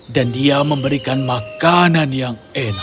dan dia memberikan makanan yang enak